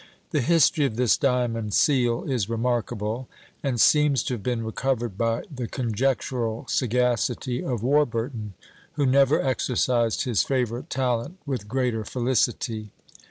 The history of this "diamond seal" is remarkable; and seems to have been recovered by the conjectural sagacity of Warburton, who never exercised his favourite talent with greater felicity.